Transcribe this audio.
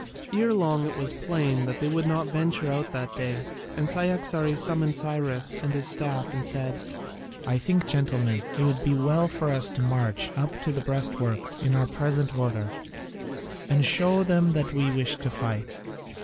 Ere long it was plain that they would not venture out that day, and Cyaxares summoned Cyrus and his staff and said: "I think, gentlemen, it would be well for us to march up to the breastworks in our present order, and show them that we wish to fight.